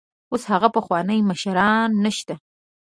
اوس هغه پخواني مشران نشته.